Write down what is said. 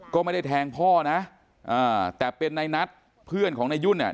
ก็ไม่ได้แทงพ่อนะอ่าแต่เป็นในนัดเพื่อนของนายยุ่นเนี่ย